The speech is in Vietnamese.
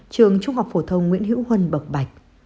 trường trung học phổ thông nguyễn hữu huân bậc bạch